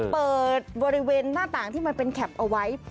เปิดบริเวณหน้าต่างที่มันเป็นแคปเอาไว้